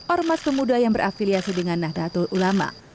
ormas pemuda yang berafiliasi dengan nahdlatul ulama